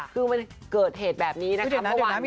คือมันเกิดเหตุแบบนี้นะคะเมื่อวานนี้